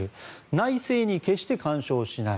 内政に決して干渉しない。